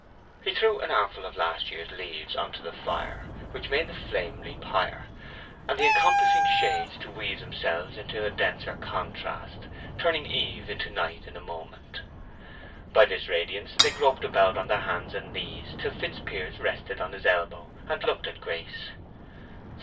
He threw an armful of last year's leaves on to the fire, which made the flame leap higher, and the encompassing shades to weave themselves into a denser contrast, turning eve into night in a moment. By this radiance they groped about on their hands and knees, till Fitzpiers rested on his elbow, and looked at Grace.